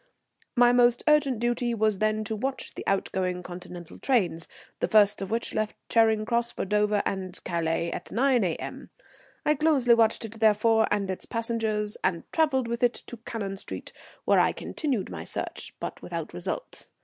My most urgent duty then was to watch the outgoing Continental trains, the first of which left Charing Cross for Dover and Calais at 9 A.M. I closely watched it therefore, and its passengers, and travelled with it to Cannon Street, where I continued my search, but without result.